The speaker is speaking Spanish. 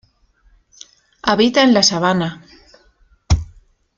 Habita en la sabana.